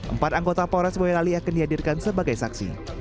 empat anggota polres boyolali akan dihadirkan sebagai saksi